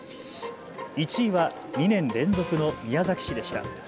１位は２年連続の宮崎市でした。